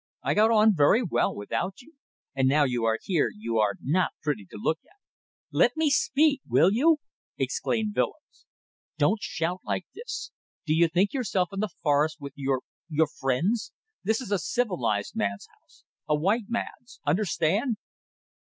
I got on very well without you and now you are here you are not pretty to look at." "Let me speak, will you!" exclaimed Willems. "Don't shout like this. Do you think yourself in the forest with your ... your friends? This is a civilized man's house. A white man's. Understand?"